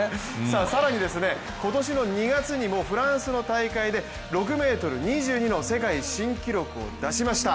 更に今年の２月にもフランスの大会で６ｍ２２の世界新記録を出しました。